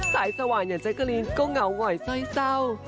สายสว่างอย่างเจ๊กะรีนก็เหงาเหง่อยซ่อยเศร้า